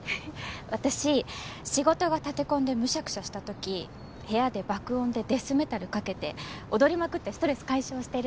私仕事が立て込んでむしゃくしゃした時部屋で爆音でデスメタルかけて踊りまくってストレス解消してるんです。